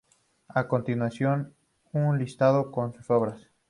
A continuación, un listado con sus obras.